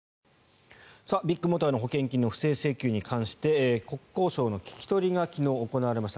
ビッグモーターの保険金の不正請求に関して国交省の聞き取りが昨日行われました。